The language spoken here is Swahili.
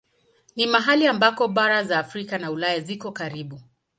Ni mahali ambako bara za Afrika na Ulaya ziko karibu.